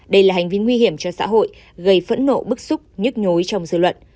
đây là hành vi nguy hiểm cho xã hội gây phẫn nộ bức xúc nhức nhối trong dư luận